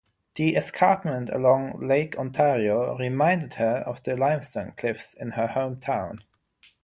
The escarpment along Lake Ontario reminded her of the limestone cliffs in her hometown.